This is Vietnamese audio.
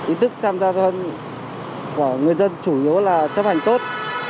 ý tức tham gia thân của người dân chủ yếu là chấp hành tốt